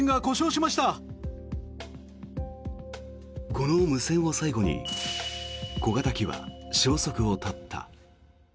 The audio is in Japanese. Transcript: この無線を最後に小型機は消息を絶った。